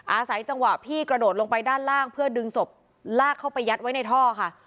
อาศัยจังหวะพี่กระโดดลงไปด้านล่างเพื่อดึงศพลากเข้าไปยัดไว้ในท่อค่ะ